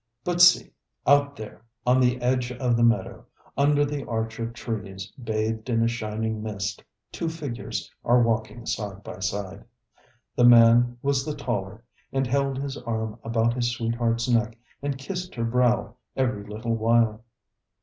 But see, out there, on the edge of the meadow, under the arch of trees bathed in a shining mist, two figures are walking side by side. The man was the taller, and held his arm about his sweetheart's neck and kissed her brow every little while.